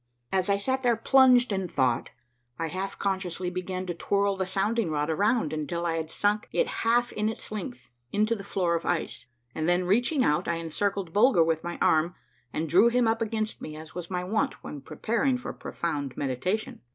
As I sat there plunged in thought, I half unconsciously began to twirl the sounding rod around until I had sunk it half its length into the floor of ice, and then reaching out I encircled Bulger with my arm and drew him up against me as was my wont when preparing for profound meditation.